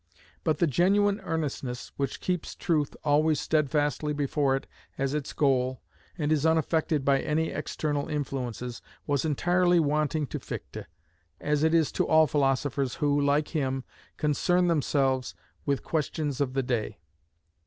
But the genuine earnestness which keeps truth always steadfastly before it as its goal, and is unaffected by any external influences, was entirely wanting to Fichte, as it is to all philosophers who, like him, concern themselves with questions of the day.